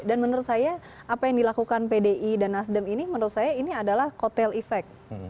dan menurut saya apa yang dilakukan pdi dan nasdem ini menurut saya ini adalah kotele effect